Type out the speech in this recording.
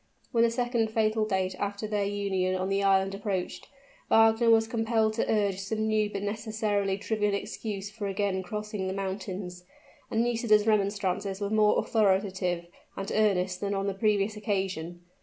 When the second fatal date after their union on the island approached, Wagner was compelled to urge some new but necessarily trivial excuse for again crossing the mountains; and Nisida's remonstrances were more authoritative and earnest than on the previous occasion.